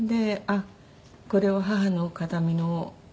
これは母の形見の。